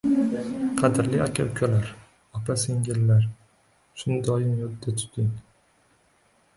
Qadrli aka-ukalar, opa-singillar, shuni doim yodda tuting: